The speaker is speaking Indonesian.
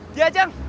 kejahatan yang baik